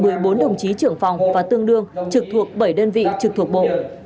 tựa chọn một mươi bốn đồng chí trưởng phòng và tương đương trực thuộc bảy đơn vị trực thuộc bộ